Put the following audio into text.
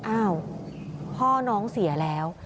อ้าวพ่อน้องเสียแล้ว